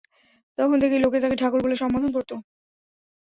তখন থেকেই লোকে তাঁকে ‘ঠাকুর’ বলে সম্বোধন করত।